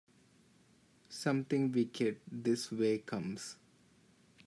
Something wicked this way comes